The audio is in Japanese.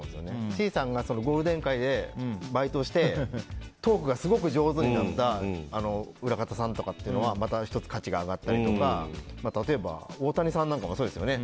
Ｃさんがゴールデン街でバイトしてトークがすごく上手になった裏方さんとかっていうのはまた１つ価値が上がったりとか例えば大谷さんなんかもそうですよね。